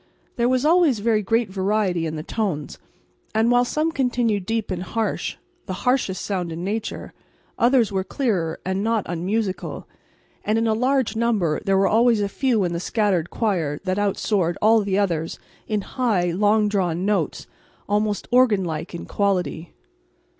There was always very great variety in the tones; and while some continued deep and harsh the harshest sound in nature others were clearer and not unmusical; and in a large number there were always a few in the scattered choir that out soared all the others in high, long drawn notes, almost organ like in quality.